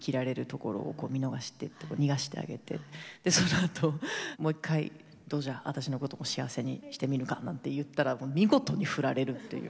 そのあともう一回どうじゃ私のこと幸せにしてみるか？なんて言ったら見事に振られるという。